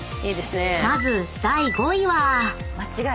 ［まず第５位は］